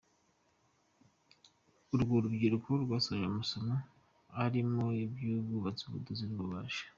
Urwo rubyiruko rwasoje amasomo arimo ay’ubwubatsi, ubudozi n’ububaji.